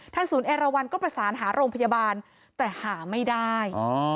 ศูนย์เอราวันก็ประสานหาโรงพยาบาลแต่หาไม่ได้